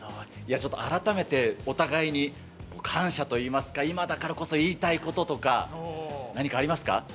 ちょっと改めてお互いに感謝といいますか、今だからこそ言いたいこととか、何かありますか。